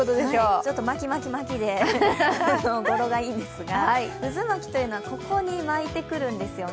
ずっと巻き巻き巻きで語呂がいいんですが、渦巻きというのはここに巻いてくるんですよね。